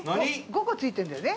５個付いてるんだよね。